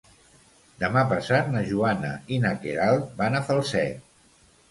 Demà passat na Joana i na Queralt van a Falset.